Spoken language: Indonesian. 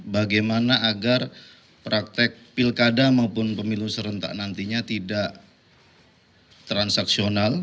bagaimana agar praktek pilkada maupun pemilu serentak nantinya tidak transaksional